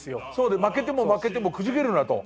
で負けても負けてもくじけるなと。